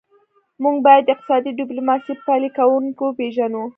موږ باید د اقتصادي ډیپلوماسي پلي کوونکي وپېژنو